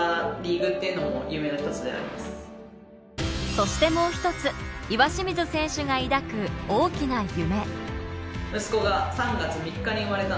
そしてもう一つ、岩清水選手が抱く大きな夢。